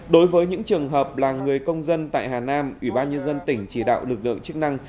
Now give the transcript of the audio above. đối với những trường hợp là người công dân tại hà nam ủy ban nhân dân tỉnh chỉ đạo lực lượng chức năng